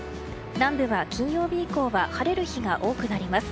南部は金曜日以降は晴れる日が多くなります。